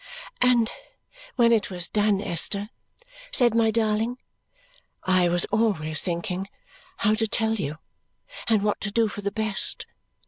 "And when it was done, Esther," said my darling, "I was always thinking how to tell you and what to do for the best.